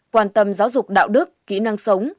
quan tâm giáo dục đạo đức kỹ năng sống